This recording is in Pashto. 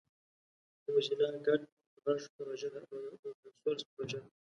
موزیلا ګډ غږ پروژه یوه اوپن سورس پروژه ده.